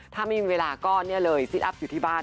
ถ้าไม่มีเวลาก็เนี่ยเลยซิตอัพอยู่ที่บ้าน